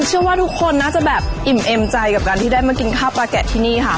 เชื่อว่าทุกคนน่าจะแบบอิ่มเอ็มใจกับการที่ได้มากินข้าวปลาแกะที่นี่ค่ะ